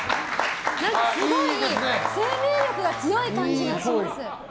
すごい生命力が強い感じがします。